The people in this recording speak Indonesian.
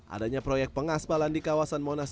adanya proyek pengaspalan di kawasan monas